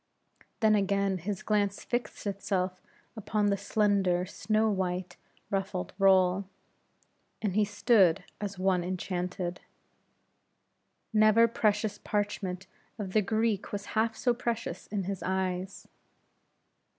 Then again his glance fixed itself upon the slender, snow white, ruffled roll; and he stood as one enchanted. Never precious parchment of the Greek was half so precious in his eyes.